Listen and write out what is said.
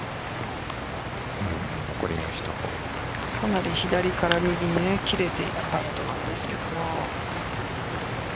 今のも左から右に切れていくパットなんですけど。